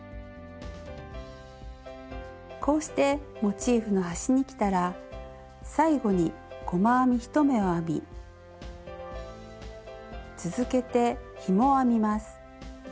こうしてモチーフの端にきたら最後に細編み１目を編み続けてひもを編みます。